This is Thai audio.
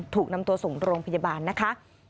ถูกนำตัวส่งโรงพยาบาลนะคะ